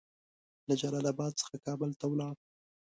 له جلال اباد څخه کابل ته ولاړ.